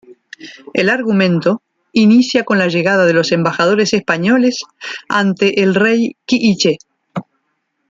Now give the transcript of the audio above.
El argumento inicia con la llegada de los embajadores españoles ante el rey K'iche'.